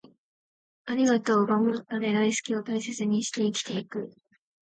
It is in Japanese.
『ありがとう』、『頑張ったね』、『大好き』を大切にして生きていく